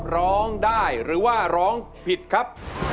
ร้องได้หรือว่าร้องผิดครับ